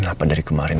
kenapa gari kemarin